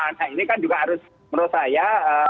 nah ini kan juga harus menurut saya